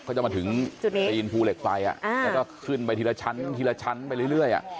ก็จะมาถึงจุดนี้ภูเหล็กไฟอ่ะอ่าแล้วก็ขึ้นไปทีละชั้นทีละชั้นไปเรื่อยเรื่อยอ่ะ